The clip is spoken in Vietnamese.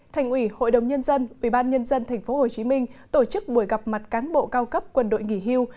thành ủy hội đồng nhân dân ubnd tp hcm tổ chức buổi gặp mặt cán bộ cao cấp quân đội nghỉ hưu